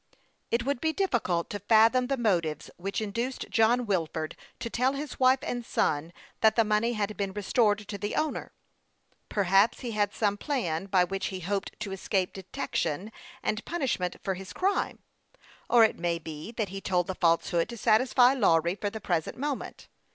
It would be difficult to fathom the motives which induced John Wilford to tell his wife and son that the money had been restored to the owner. Perhaps he had some plan by which he hoped to escape de tection and punishment for his crime ; or it may be that he told the falsehood to satisfy Lawry for the present moment.